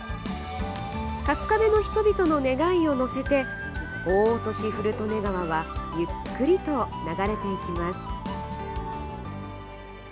春日部の人々の願いを乗せて大落古利根川はゆっくりと流れていきます。